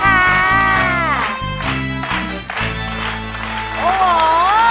สวัสดีค่ะ